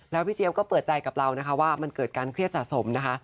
แล้วพี่เจี๊ยบก็เปิดใจกับเรานะคะว่ามันเกิดการเครียดสะสมนะคะ